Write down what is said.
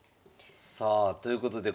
さあということで